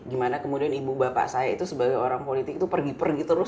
gimana kemudian ibu bapak saya itu sebagai orang politik itu pergi pergi terus